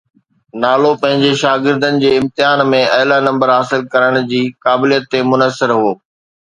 نالو پنهنجي شاگردن جي امتحانن ۾ اعليٰ نمبر حاصل ڪرڻ جي قابليت تي منحصر هو